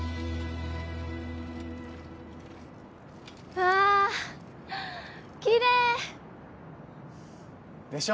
わあきれい！でしょ？